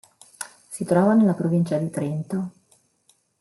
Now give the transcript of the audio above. Si trova nella provincia di Trento.